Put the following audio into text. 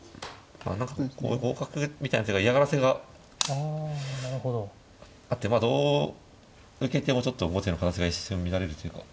ただ何かこう５五角みたいな手が嫌がらせがあってどう受けてもちょっと後手の形が一瞬乱れるというか。